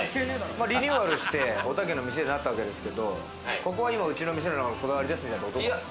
リニューアルして、おたけの店になったわけですけれども、ここは、うちの店のこだわりですみたいなのは？